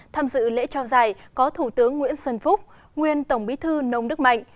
tham dự lễ trao giải có thủ tướng nguyễn xuân phúc nguyên tổng bí thư nông đức mạnh